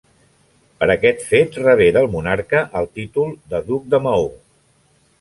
Per aquest fet rebé del monarca el títol de duc de Maó.